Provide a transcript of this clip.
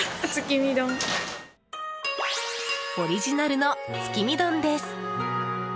オリジナルの月見丼です。